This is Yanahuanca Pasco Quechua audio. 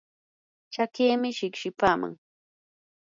chakiimi shiqshipaaman